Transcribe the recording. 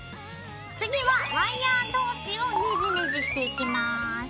次はワイヤー同士をねじねじしていきます。